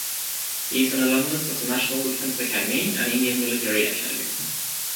He is an alumnus of the National Defence Academy and Indian Military Academy.